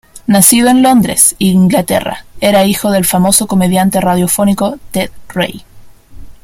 Nacido en Londres, Inglaterra, era hijo del famoso comediante radiofónico Ted Ray.